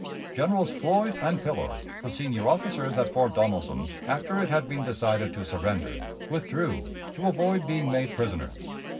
Generals Floyd and Pillow, the senior officers at Fort Donelson, after it had been decided to surrender, withdrew, to avoid being made prisoners.